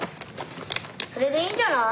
それでいいんじゃない？